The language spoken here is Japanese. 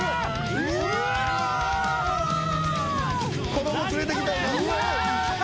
子供連れてきたいな。